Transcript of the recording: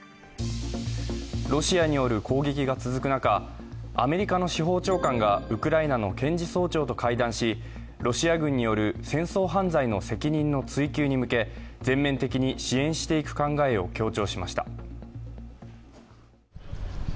ロシアによる攻撃が続く中、アメリカの司法長官がウクライナの検事総長と会談しロシア軍による戦争犯罪の責任の追及に向け、全面的に支援していく考えを強調しました。